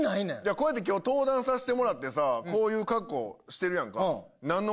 こうやって、きょう、登壇させてもらってさ、こういう格好してるやんか。